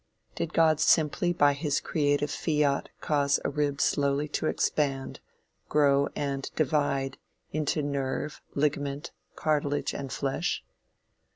Did God simply by his creative fiat cause a rib slowly to expand, grow and divide into nerve, ligament, cartilage and flesh?